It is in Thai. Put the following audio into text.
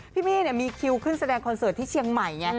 พี่มี่มีคิวขึ้นแสดงคอนเสิร์ตที่เชียงใหม่ไง